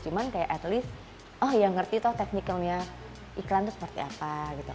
cuman kayak at least oh ya ngerti tuh technicalnya iklan itu seperti apa gitu